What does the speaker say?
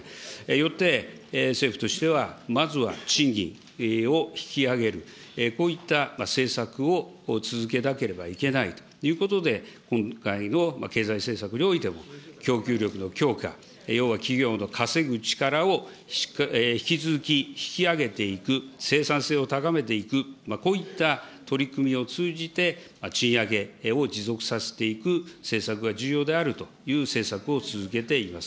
よって政府としてはまずは賃金を引き上げる、こういった政策を続けなければいけないということで、今回の経済政策においても、供給力の強化、要は企業の稼ぐ力を引き続き引き上げていく、生産性を高めていく、こういった取り組みを通じて、賃上げを持続させていく政策が重要であるという政策を続けています。